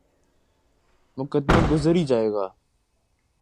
مقدمہ گزر ہی جائے گا۔